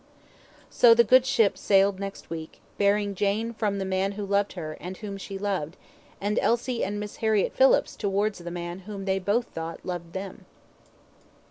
So the good ship sailed next week, bearing Jane from the man who loved her, and whom she loved, and Elsie and Miss Harriett Phillips towards the man whom they both thought loved them.